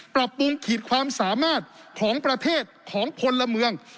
ปรับปรุงขีดความสามารถของประเทศของพลเมือง